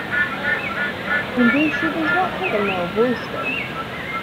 In these she does not take a male voice though.